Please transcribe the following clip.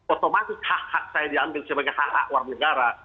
otomatis hak hak saya diambil sebagai hak hak warga negara